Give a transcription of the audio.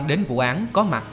đến vụ án có mặt